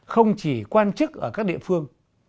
không chỉ quan chức ở các địa phương